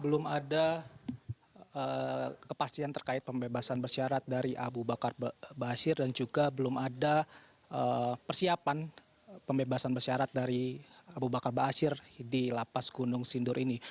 belum ada kepastian terkait pembebasan bersyarat dari abu bakar ba'asyir dan juga belum ada persiapan pembebasan bersyarat dari abu bakar ba'asyir di lapas gunung sindur ini